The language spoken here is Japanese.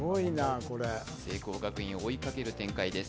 聖光学院、追いかける展開です。